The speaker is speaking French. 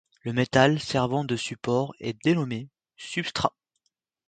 Le métal servant de support est dénommé substrat.